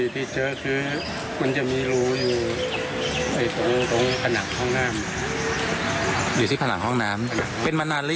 พวกเขาพกมาเนี่ย